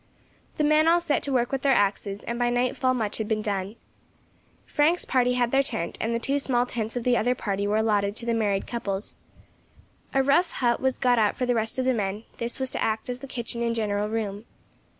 The men all set to work with their axes, and by nightfall much had been done. Frank's party had their tent, and the two small tents of the other party were allotted to the married couples. A rough hut was got up for the rest of the men; this was to act as the kitchen and general room.